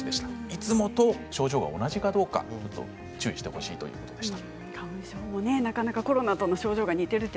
いつもと症状が同じかどうか注意してほしいということです。